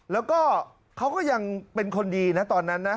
แล้วก็เขาก็ยังเป็นคนดีนะตอนนั้นนะ